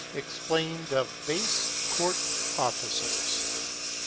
EXPLAINED OF BASE COURT OFFICERS.